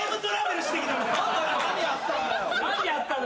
何やったの？